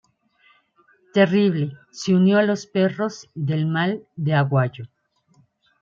Terrible se unió a Los Perros del Mal de Aguayo.